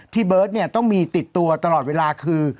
เบิร์ตต้องมีติดตัวตลอดเวลาคือ